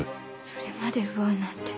それまで奪うなんて。